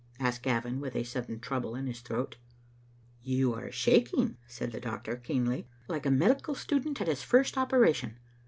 asked Gavin, with a sudden trouble in his throat. "You are shaking," said the doctor, keenly, "like a medical student at his first operation.